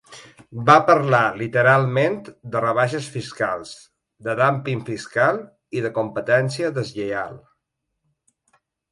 Va parlar literalment de rebaixes fiscals, de dúmping fiscal i de competència deslleial.